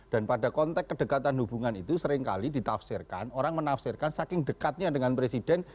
dan pada konteks kedekatan hubungan itu seringkali ditafsirkan orang menafsirkan saking dekatnya dengan presiden